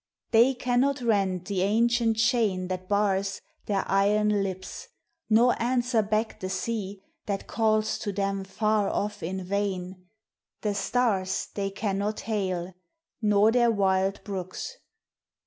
They cannot rend the ancient chain that bars Their iron lips, nor answer back the sea That calls to them far off in vain; the stars They cannot hail, nor their wild brooks.